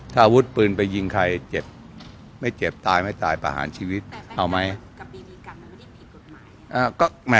ถ้าอาวุธปืนไปยิงใครเจ็บไม่เจ็บตายไม่ตายประหารชีวิตเอาไหม